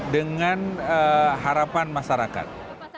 dengan harapan masyarakat